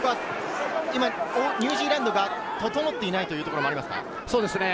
ニュージーランドが整っていないということですか？